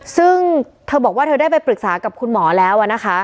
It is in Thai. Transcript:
ซึ่งเธอบอกว่าเธอได้ไปปรึกษากับคุณหมอแล้วนะคะ